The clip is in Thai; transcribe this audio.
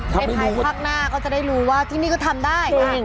ภายภาคหน้าก็จะได้รู้ว่าที่นี่ก็ทำได้